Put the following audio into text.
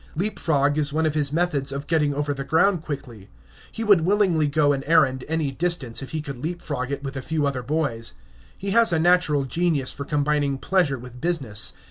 Leapfrog is one of his methods of getting over the ground quickly. He would willingly go an errand any distance if he could leap frog it with a few other boys. He has a natural genius for combining pleasure with business.